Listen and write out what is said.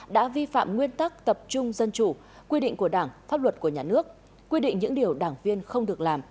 đã vi phạm nguyên tắc tập trung dân chủ quy định của đảng pháp luật của nhà nước quy định những điều đảng viên không được làm